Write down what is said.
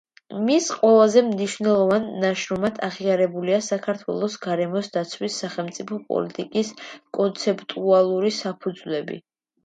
მის ყველაზე მნიშვნელოვან ნაშრომად აღიარებულია „საქართველოს გარემოს დაცვის სახელმწიფო პოლიტიკის კონცეპტუალური საფუძვლები“.